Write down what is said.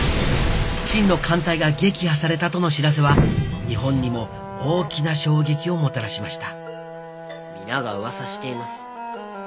清の艦隊が撃破されたとの知らせは日本にも大きな衝撃をもたらしました皆が噂しています。